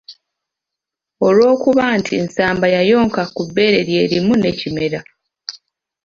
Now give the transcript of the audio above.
Olw'okubanga nti Nsamba yayonka ku bbeere lye limu ne Kimera.